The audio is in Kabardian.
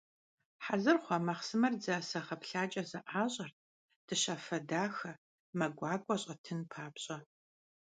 Хьэзыр хъуа махъсымэр дзасэ гъэплъакIэ зэIащIэрт, дыщафэ дахэ, мэ гуакIуэ щIэтын папщIэ.